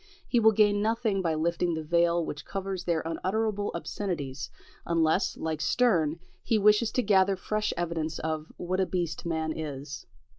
He will gain nothing by lifting the veil which covers their unutterable obscenities, unless, like Sterne, he wishes to gather fresh evidence of "what a beast man is."